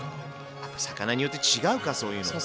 やっぱ魚によって違うかそういうのって。